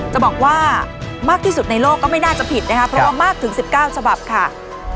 จะบอกว่ามากที่สุดในโลกก็ไม่น่าจะผิดนะคะเพราะว่ามากถึง๑๙ฉบับค่ะ